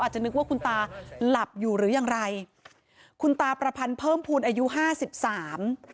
จะนึกว่าคุณตาหลับอยู่หรือยังไรคุณตาประพันธ์เพิ่มภูมิอายุห้าสิบสาม